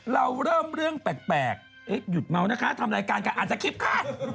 เราเริ่มเรื่องแปลกหยุดเมาส์นะคะทำรายการค่ะอ่านสคริปต์ค่ะ